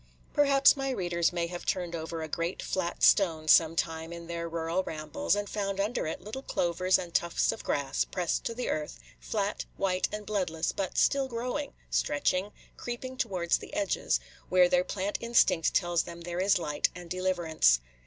Perhaps my readers may have turned over a great, flat stone some time in their rural rambles, and found under it little clovers and tufts of grass pressed to earth, flat, white, and bloodless but still growing, stretching, creeping towards the edges, where their plant instinct tells them there is light and deliverance.